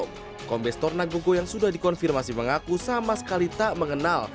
pombes tornagogo yang sudah dikonfirmasi mengaku sama sekali tak mengenal